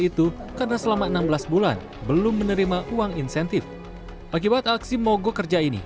itu karena selama enam belas bulan belum menerima uang insentif akibat aksi mogok kerja ini